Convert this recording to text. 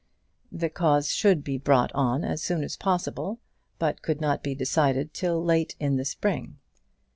The cause should be brought on as soon as possible, but could not be decided till late in the spring.